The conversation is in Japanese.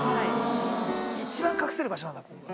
一番隠せる場所なんだここが。